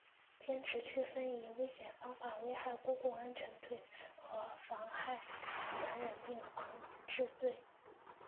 坚持区分以危险方法危害公共安全罪和妨害传染病防治罪